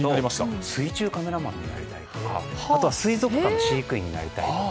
水中カメラマンになりたいとかあとは水族館の飼育員になりたいとか